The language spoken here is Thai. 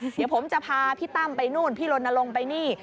เดี๋ยวผมจะพาพี่ตั้มไปนู่นพี่ลนลงไปนี่